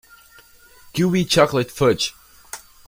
Gooey chocolate fudge.